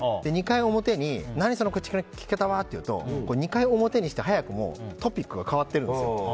２回表に何、その口の利き方はって言うと２回表にして、早くもトピックが変わってるんです。